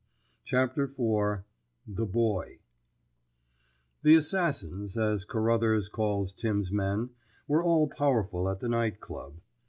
*CHAPTER IV* *THE BOY* The "Assassins," as Carruthers called Tims' men, were all powerful at the Night Club.